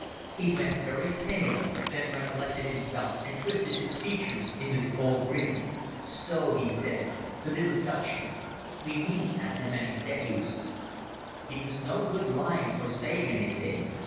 He went very pale, then recollected himself and twisted his features into the old grin. "So," he said, "the little Dutchmen! We meet after many days." It was no good lying or saying anything.